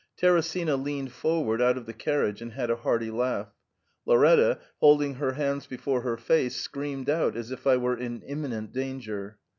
Teresina leaned forward out of the carriage and had a hearty laugh ; Lauretta, holding her hands before her face, screamed out as if I were in imminent danger.